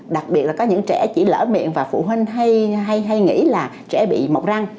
đặc biệt là có những trẻ chỉ lỡ miệng và phụ huynh hay nghĩ là trẻ bị mọc răng